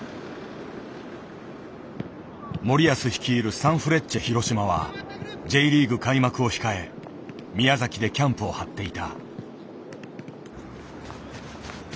森保率いるサンフレッチェ広島はＪリーグ開幕を控え宮崎でキャンプをはっていた。